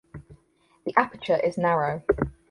The aperture is narrow.